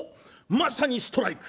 まさにストライク！